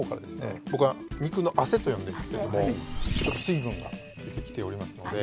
僕は肉の汗と呼んでいますけれども水分が出てきておりますので。